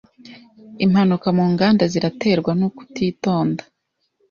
Impanuka mu nganda ziraterwa nukutitonda